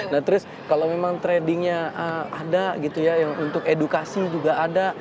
nah terus kalau memang tradingnya ada gitu ya yang untuk edukasi juga ada